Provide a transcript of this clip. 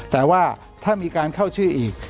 แต่ว่าถ้ามีการเข้าชื่ออีก